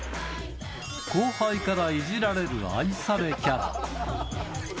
後輩からいじられる愛されキャラ。